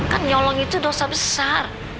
kan nyolong itu dosa besar